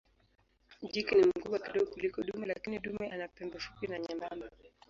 Jike ni mkubwa kidogo kuliko dume lakini dume ana pembe fupi na nyembamba.